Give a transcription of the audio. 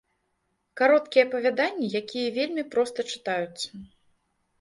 Кароткія апавяданні, якія вельмі проста чытаюцца.